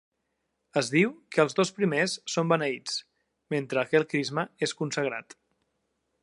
Es diu que els dos primers són beneïts, mentre que el crisma és consagrat.